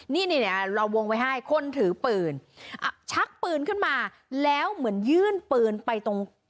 นี่นี่เราวงไว้ให้คนถือปืนชักปืนขึ้นมาแล้วเหมือนยื่นปืนไปตรง